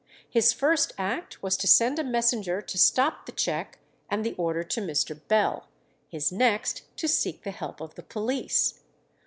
His first act was to send a messenger to stop the cheque and the order to Mr. Bell, his next to seek the help of the police.